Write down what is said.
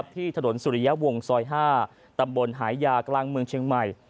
ที่ถนนสุริยะวงซอย๕ตำบลหายากลางเมืองเชียงใหม่